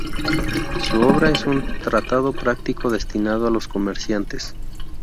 Su obra es un tratado práctico destinado a los comerciantes.